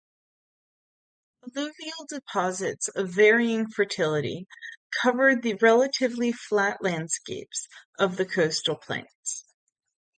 Alluvial deposits of varying fertility cover the relatively flat landscapes of the coastal plains.